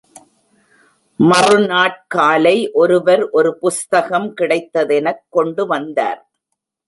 மறுநாட்காலை ஒருவர் ஒரு புஸ்தகம் கிடைத்ததெனக் கொண்டு வந்தார்.